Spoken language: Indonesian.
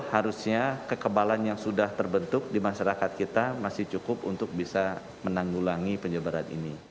harusnya kekebalan yang sudah terbentuk di masyarakat kita masih cukup untuk bisa menanggulangi penyebaran ini